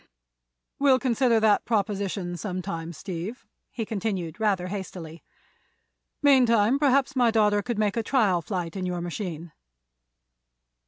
"We'll consider that proposition some time, Steve," he continued, rather hastily. "Meantime, perhaps my daughter could make a trial flight in your machine."